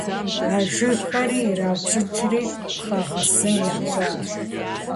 А жыгхэри ираупщӏыкӏри, пхъэгъэсын ящӏащ.